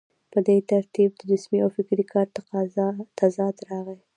په دې ترتیب د جسمي او فکري کار تضاد راغی.